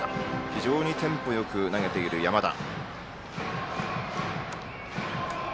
非常にテンポよく投げている山田。